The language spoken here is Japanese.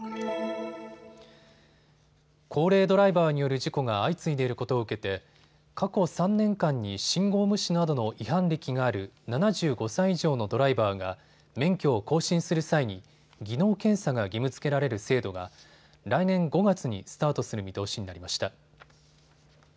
高齢ドライバーによる事故が相次いでいることを受けて過去３年間に信号無視などの違反歴がある７５歳以上のドライバーが免許を更新する際に技能検査が義務づけられる制度が来年５月にスタートする見通しになりました。